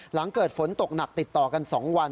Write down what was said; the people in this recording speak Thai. หลังเกิดฝนตกหนักติดต่อกัน๒วัน